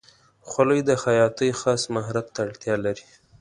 خولۍ د خیاطۍ خاص مهارت ته اړتیا لري.